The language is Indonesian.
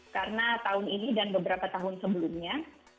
karena tahun ini dan beberapa tahun sebelumnya